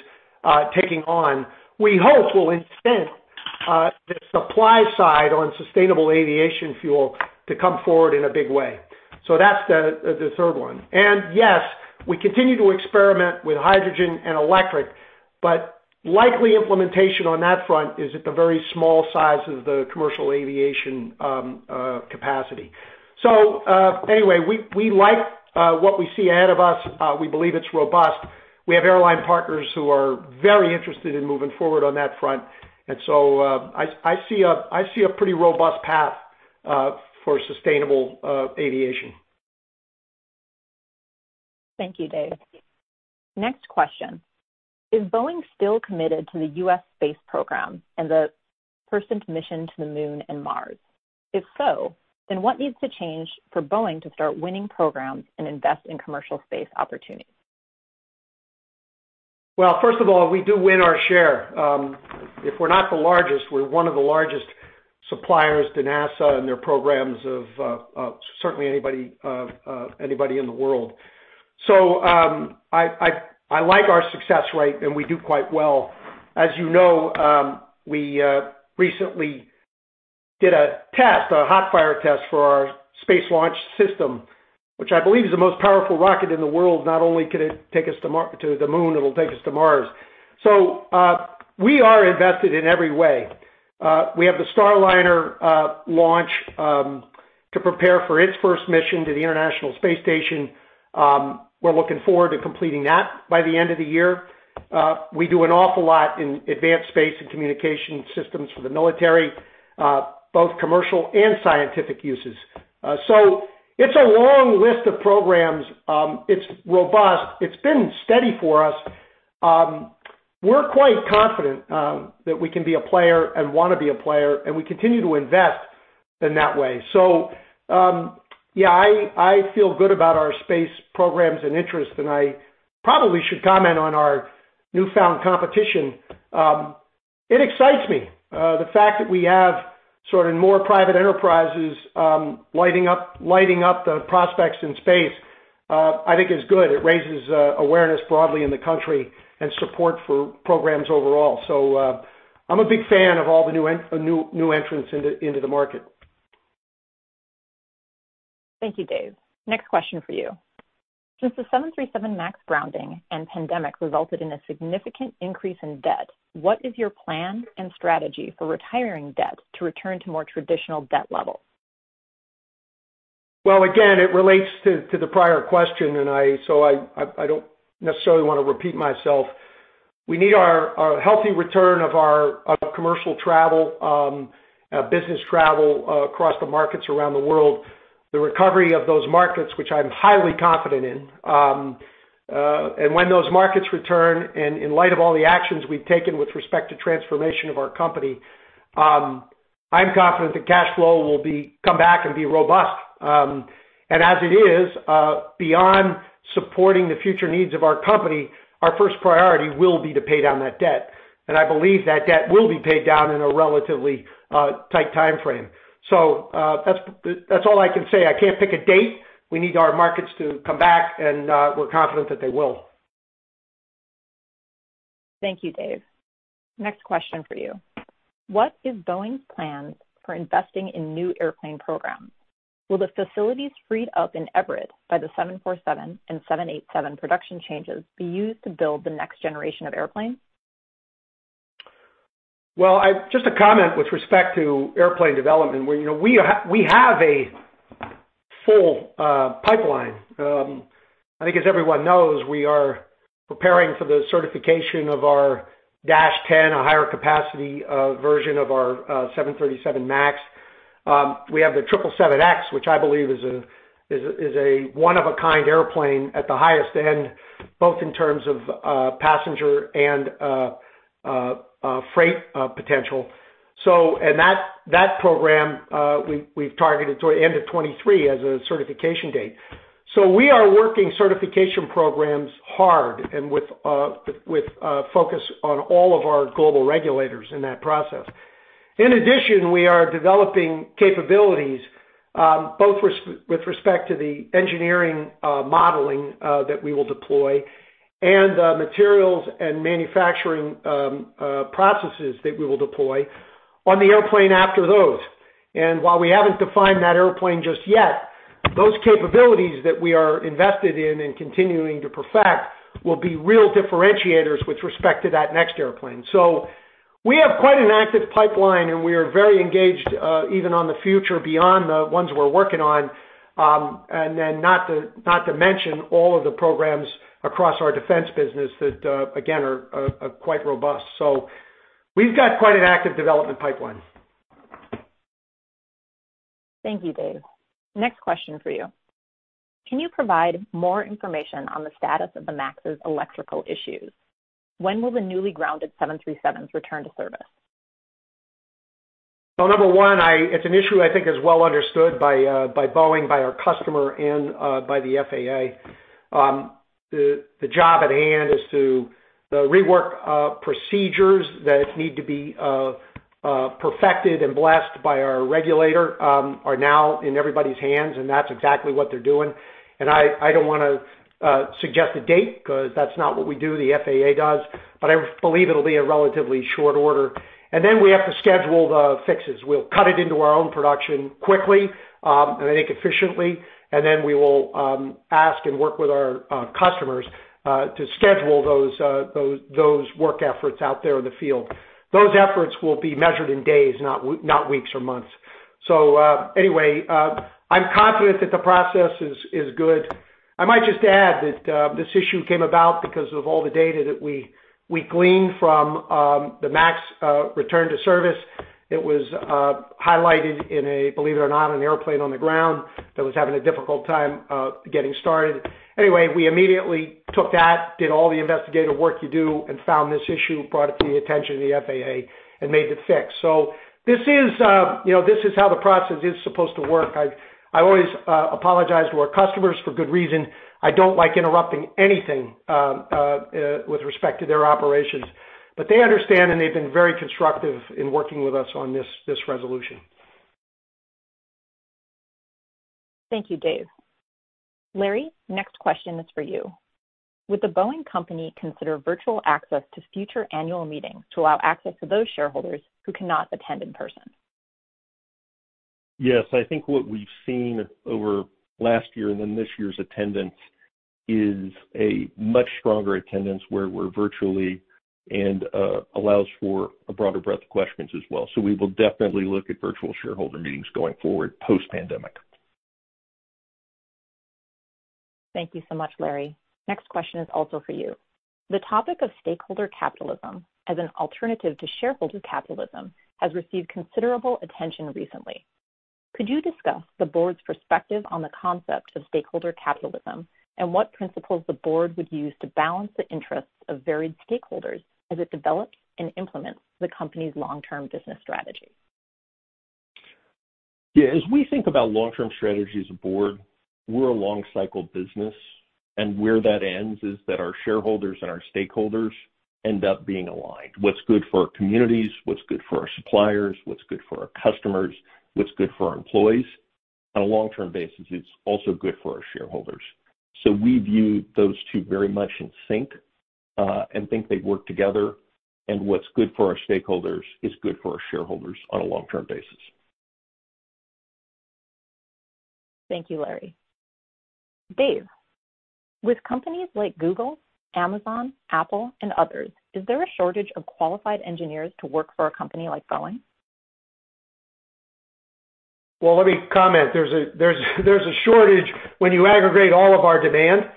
Speaker 5: taking on, we hope will incent the supply side on sustainable aviation fuel to come forward in a big way. That's the third one. Yes, we continue to experiment with hydrogen and electric, but likely implementation on that front is at the very small size of the commercial aviation capacity. Anyway, we like what we see ahead of us. We believe it's robust. We have airline partners who are very interested in moving forward on that front. I see a pretty robust path for sustainable aviation.
Speaker 6: Thank you, Dave. Next question. Is Boeing still committed to the U.S. space program and the first mission to the Moon and Mars? If so, what needs to change for Boeing to start winning programs and invest in commercial space opportunities?
Speaker 5: Well, first of all, we do win our share. If we're not the largest, we're one of the largest suppliers to NASA and their programs of certainly anybody in the world. I like our success rate, and we do quite well. As you know, we recently did a test, a hot fire test for our Space Launch System, which I believe is the most powerful rocket in the world. Not only could it take us to the Moon, it'll take us to Mars. We are invested in every way. We have the Starliner launch to prepare for its first mission to the International Space Station. We're looking forward to completing that by the end of the year. We do an awful lot in advanced space and communication systems for the military, both commercial and scientific uses. It's a long list of programs. It's robust. It's been steady for us. We're quite confident that we can be a player and want to be a player, and we continue to invest in that way. Yeah, I feel good about our space programs and interests, and I probably should comment on our newfound competition. It excites me. The fact that we have sort of more private enterprises lighting up the prospects in space, I think is good. It raises awareness broadly in the country and support for programs overall. I'm a big fan of all the new entrants into the market.
Speaker 6: Thank you, Dave. Next question for you. Since the 737 MAX grounding and pandemic resulted in a significant increase in debt, what is your plan and strategy for retiring debt to return to more traditional debt levels?
Speaker 5: Well, again, it relates to the prior question. I don't necessarily want to repeat myself. We need our healthy return of our commercial travel, business travel across the markets around the world, the recovery of those markets, which I'm highly confident in. When those markets return, and in light of all the actions we've taken with respect to transformation of our company, I'm confident the cash flow will come back and be robust. As it is, beyond supporting the future needs of our company, our first priority will be to pay down that debt. I believe that debt will be paid down in a relatively tight timeframe. That's all I can say. I can't pick a date. We need our markets to come back, and we're confident that they will.
Speaker 6: Thank you, Dave. Next question for you. What is Boeing's plan for investing in new airplane programs? Will the facilities freed up in Everett by the 747 and 787 production changes be used to build the next generation of airplanes?
Speaker 5: Well, just a comment with respect to airplane development. We have a full pipeline. I think as everyone knows, we are preparing for the certification of our -10, a higher capacity version of our 737 MAX. We have the 777X, which I believe is a one-of-a-kind airplane at the highest end, both in terms of passenger and freight potential. That program we've targeted toward end of 2023 as a certification date. We are working certification programs hard and with focus on all of our global regulators in that process. In addition, we are developing capabilities, both with respect to the engineering modeling that we will deploy and the materials and manufacturing processes that we will deploy on the airplane after those. While we haven't defined that airplane just yet, those capabilities that we are invested in and continuing to perfect will be real differentiators with respect to that next airplane. We have quite an active pipeline, and we are very engaged even on the future beyond the ones we're working on. Not to mention all of the programs across our defense business that, again, are quite robust. We've got quite an active development pipeline.
Speaker 6: Thank you, Dave. Next question for you. Can you provide more information on the status of the MAX's electrical issues? When will the newly grounded 737s return to service?
Speaker 5: Number one, it's an issue I think is well understood by Boeing, by our customer, and by the FAA. The job at hand is to rework procedures that need to be perfected and blessed by our regulator are now in everybody's hands. That's exactly what they're doing. I don't want to suggest a date because that's not what we do, the FAA does. I believe it'll be a relatively short order. We have to schedule the fixes. We'll cut it into our own production quickly, and I think efficiently. We will ask and work with our customers to schedule those work efforts out there in the field. Those efforts will be measured in days, not weeks or months. Anyway, I'm confident that the process is good. I might just add that this issue came about because of all the data that we gleaned from the MAX return to service. It was highlighted in a, believe it or not, an airplane on the ground that was having a difficult time getting started. We immediately took that, did all the investigative work you do, and found this issue, brought it to the attention of the FAA, and made the fix. This is how the process is supposed to work. I always apologize to our customers for good reason. I don't like interrupting anything with respect to their operations. They understand, and they've been very constructive in working with us on this resolution.
Speaker 6: Thank you, Dave. Larry, next question is for you. Would The Boeing Company consider virtual access to future annual meetings to allow access to those shareholders who cannot attend in person?
Speaker 2: Yes. I think what we've seen over last year and then this year's attendance is a much stronger attendance where we're virtually, and allows for a broader breadth of questions as well. We will definitely look at virtual shareholder meetings going forward post-pandemic.
Speaker 6: Thank you so much, Larry. Next question is also for you. The topic of stakeholder capitalism as an alternative to shareholder capitalism has received considerable attention recently. Could you discuss the board's perspective on the concept of stakeholder capitalism and what principles the board would use to balance the interests of varied stakeholders as it develops and implements the company's long-term business strategy?
Speaker 2: Yeah. As we think about long-term strategy as a board, we're a long-cycle business. Where that ends is that our shareholders and our stakeholders end up being aligned. What's good for our communities, what's good for our suppliers, what's good for our customers, what's good for our employees. On a long-term basis, it's also good for our shareholders. We view those two very much in sync. And think they work together. What's good for our stakeholders is good for our shareholders on a long-term basis.
Speaker 6: Thank you, Larry. Dave, with companies like Google, Amazon, Apple, and others, is there a shortage of qualified engineers to work for a company like Boeing?
Speaker 5: Well, let me comment. There's a shortage when you aggregate all of our demand.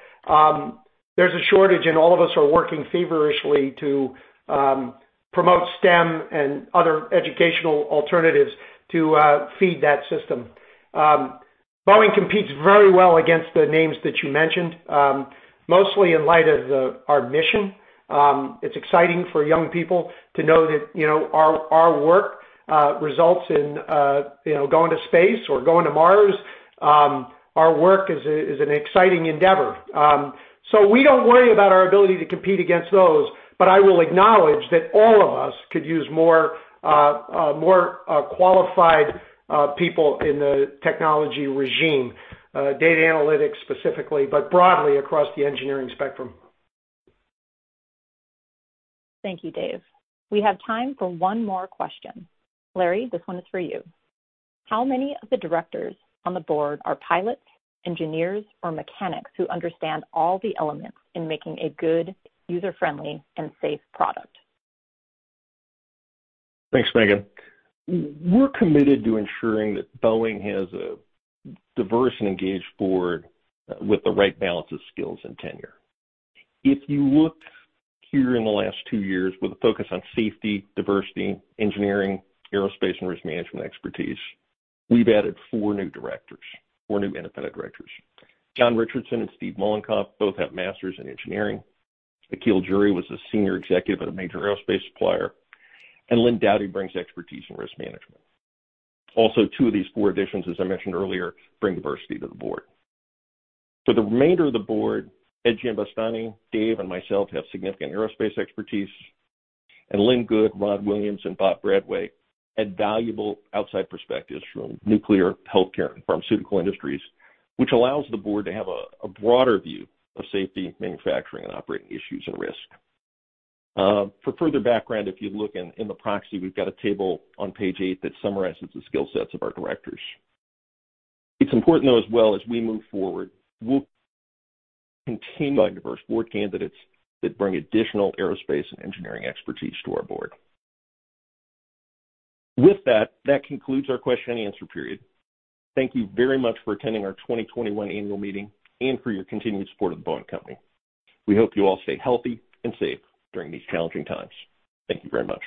Speaker 5: There's a shortage, and all of us are working feverishly to promote STEM and other educational alternatives to feed that system. Boeing competes very well against the names that you mentioned, mostly in light of our mission. It's exciting for young people to know that our work results in going to space or going to Mars. Our work is an exciting endeavor. We don't worry about our ability to compete against those, but I will acknowledge that all of us could use more qualified people in the technology regime, data analytics specifically, but broadly across the engineering spectrum.
Speaker 6: Thank you, Dave. We have time for one more question. Larry, this one is for you. How many of the directors on the board are pilots, engineers, or mechanics who understand all the elements in making a good, user-friendly, and safe product?
Speaker 2: Thanks, Megan. We're committed to ensuring that Boeing has a diverse and engaged board with the right balance of skills and tenure. If you look here in the last two years with a focus on safety, diversity, engineering, aerospace, and risk management expertise, we've added four new independent directors. John Richardson and Steve Mollenkopf both have master's in engineering. Akhil Johri was a senior executive at a major aerospace supplier. Lynne Doughtie brings expertise in risk management. Also, two of these four additions, as I mentioned earlier, bring diversity to the board. For the remainder of the board, Edmund Giambastiani, Dave, and myself have significant aerospace expertise, and Lynn Good, Rod Williams, and Bob Bradway add valuable outside perspectives from nuclear, healthcare, and pharmaceutical industries, which allows the board to have a broader view of safety, manufacturing, and operating issues and risk. For further background, if you look in the proxy, we've got a table on page eight that summarizes the skill sets of our directors. It's important, though, as well as we move forward, we'll continue diverse board candidates that bring additional aerospace and engineering expertise to our board. With that concludes our question and answer period. Thank you very much for attending our 2021 annual meeting and for your continued support of The Boeing Company. We hope you all stay healthy and safe during these challenging times. Thank you very much.